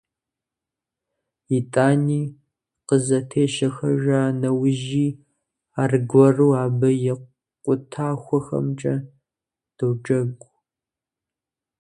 ИтӀани, къызэтещэхэжа нэужьи, аргуэру абы и къутахуэхэмкӀэ доджэгу.